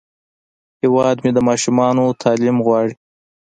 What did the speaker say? هیواد مې د ماشومانو تعلیم غواړي